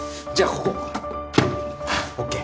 じゃあここ！ＯＫ！